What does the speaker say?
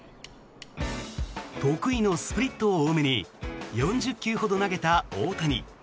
得意のスプリットを多めに４０球ほど投げた大谷。